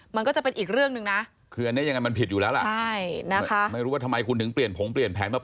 มันก็จะเป็นอีกเรื่องหนึ่งนะ